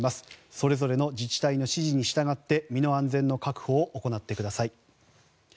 それぞれの自治体の指示に従って身の安全の確保を行ってください。